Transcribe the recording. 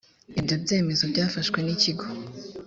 ibyo byemezo byafashwe n’ikigo